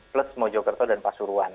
plus mojokerto dan pasuruan